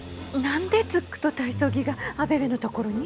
何でズックと体操着がアベベの所に？